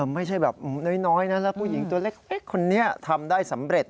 ไม่ใช่แบบน้อยนะแล้วผู้หญิงตัวเล็กคนนี้ทำได้สำเร็จ